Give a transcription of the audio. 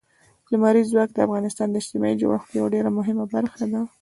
لمریز ځواک د افغانستان د اجتماعي جوړښت یوه ډېره مهمه برخه ده.